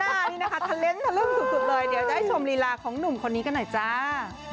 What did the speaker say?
รับหน้านี้นะคะเทลต์ทะเลื่องสุดเลยเดี๋ยวให้ชมฤลาของหนุ่มคนนี้กันหน่อยจ้า